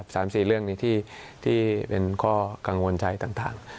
สามสี่เรื่องนี้ที่เป็นข้อกังวลใจต่าง